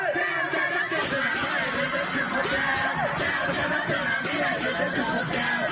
เจ้าเรือจะไปสภาขอช่วยพี่ทอลุกขึ้นมาเจ้า